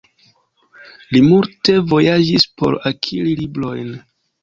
Li multe vojaĝis por akiri librojn.